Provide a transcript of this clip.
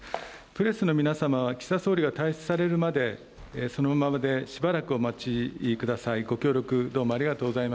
プレスの皆様は、岸田総理が退出されるまで、そのままでしばらくお待ちください。